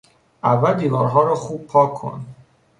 اول دیوارها را خوب پاک کن.